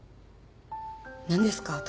何ですか？